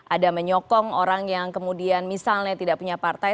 ada menyokong orang yang kemudian misalnya tidak punya partai